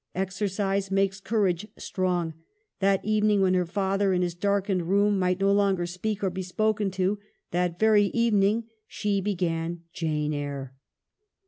Exercise makes courage strong ; that evening, when her father in his darkened room might no longer speak or be spoken to, that very evening she began 'Jane Eyre.'